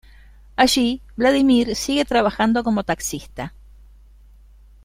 Allí, Vladimir sigue trabajando como taxista.